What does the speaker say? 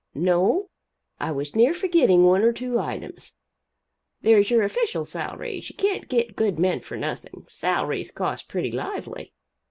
No, I was near forgetting one or two items. There's your official salaries you can't get good men for nothing. Salaries cost pretty lively.